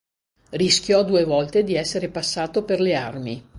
Rischiò due volte di essere passato per le armi.